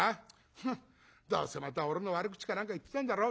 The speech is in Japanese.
フッどうせまた俺の悪口か何か言ってたんだろう？」。